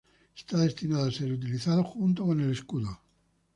Está destinado a ser utilizado junto con el escudo.